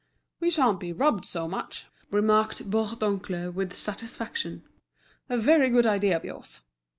"We sha'n't be robbed so much," remarked Bourdoncle, with satisfaction. "A very good idea of yours."